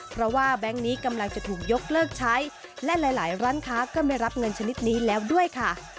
เพราะว่าแบงค์นี้กำลังจะถูกยกเลิกใช้และหลายร้านค้าก็ไม่รับเงินชนิดนี้แล้วด้วยค่ะ